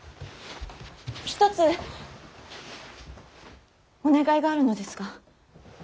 一つお願いがあるのですが。